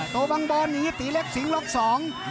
โตบังบอลหนีตีเล็กสิงห์ล็อกสอง